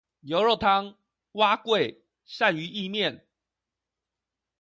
牛肉湯、碗粿、鱔魚意麵